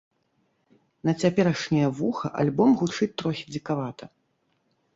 На цяперашняе вуха альбом гучыць трохі дзікавата.